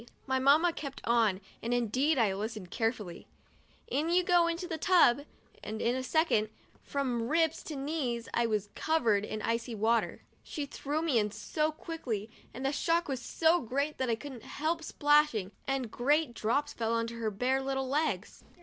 my Mamma kept on, and indeed I listened carefully, "in you go into the tub,'* and in a second, from ribs to knees, I was covered with icy water. She threw me in so quickly and the shock was so great that I couldn't help splashing, and great drops fell on her bare little legs.